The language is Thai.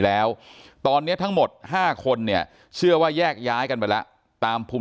แล้วตอนนี้ทั้งหมด๕คนเนี่ยเชื่อว่าแยกย้ายกันไปแล้วตามภูมิ